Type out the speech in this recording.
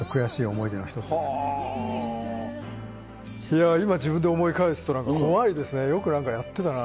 いや今自分で思い返すと怖いですねよくやってたな。